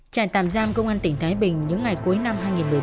trại tàm giam công an tỉnh thái bình những ngày cuối năm hai nghìn một mươi ba